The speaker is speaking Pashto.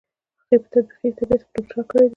هغې په تطبیقي ادبیاتو کې دوکتورا کړې ده.